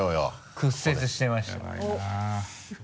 屈折してました周りが。